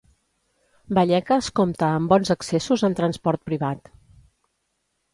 Vallecas compta amb bons accessos en transport privat.